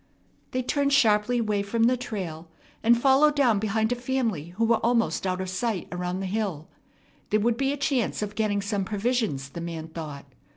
They turned sharply away from the trail, and followed down behind a family who were almost out of sight around the hill. There would be a chance of getting some provisions, the man thought.